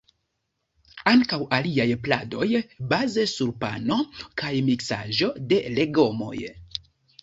Ankaŭ aliaj pladoj baze sur pano kaj miksaĵo de legomoj.